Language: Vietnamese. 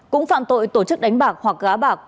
cũng phạm tội tổ chức đánh bạc hoặc gá bạc